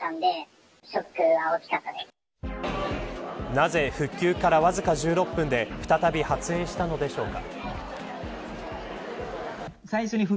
なぜ復旧からわずか１６分で再び発煙したのでしょうか。